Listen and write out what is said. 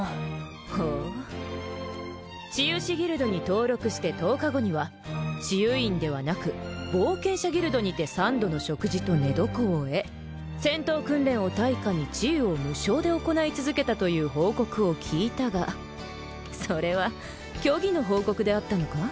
ほう治癒士ギルドに登録して１０日後には治癒院ではなく冒険者ギルドにて三度の食事と寝床をえ戦闘訓練を対価に治癒を無償で行い続けたという報告を聞いたがそれは虚偽の報告であったのか？